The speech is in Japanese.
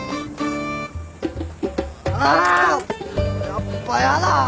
やっぱやだ！